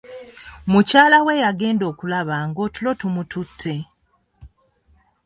Mukyala we yagenda okulaba nga otulo tumutute.